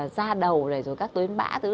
da đầu rồi rồi các tuyến bã thứ